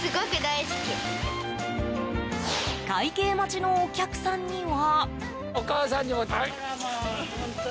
会計待ちのお客さんには。